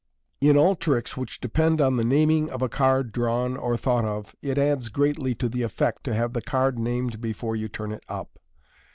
In all tricks which depend on the naming of a card drawn or thought of, it adds greatly to the effect to have the card named before ■you turn it up.